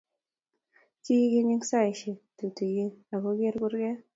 Kiikeny eng saishike tutikin akoker kurget